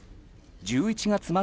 １１月末